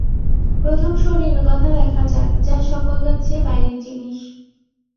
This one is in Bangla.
প্রথম শরীরের কথা দেখা যাক, যা সকলকার চেয়ে বাইরের জিনিষ।